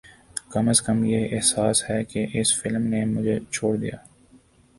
کم از کم یہی احساس ہے کہ اس فلم نے مجھے چھوڑ دیا ہے